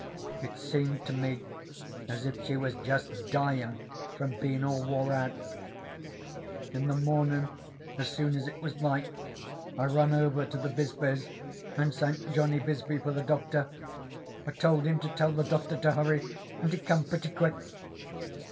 It seemed to me as if she was jest dyin' from bein' all wore out. In the mornin' as soon as it was light I run over to the Bisbees and sent Johnny Bisbee for the doctor. I told him to tell the doctor to hurry, and he come pretty quick.